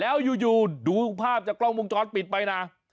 แล้วอยู่ดูภาพจากกล้องวงจรปิดไปนะ